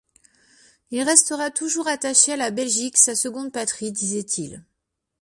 Il restera toujours attaché à la Belgique, sa seconde patrie disait-il.